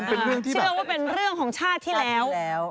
เชื่อว่าเป็นเรื่องของชาติที่แล้ว